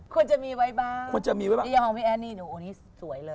ควรจะมีไว้บ้างอย่าห่วงพี่แอนนี่นี่สวยเลย